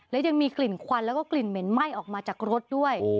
และยังมีกลิ่นควันแล้วก็กลิ่นเหม็นไหม้ออกมาจากรถด้วย